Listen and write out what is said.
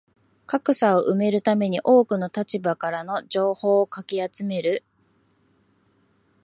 格差を埋めるために多くの立場からの情報をかき集める